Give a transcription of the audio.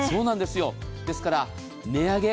ですから、値上げ。